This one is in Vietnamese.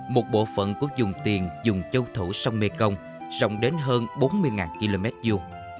một bộ phận của dùng tiền dùng châu thủ sông mekong rộng đến hơn bốn mươi km vuông